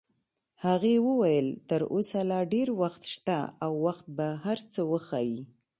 هغې وویل: تر اوسه لا ډېر وخت شته او وخت به هر څه وښایي.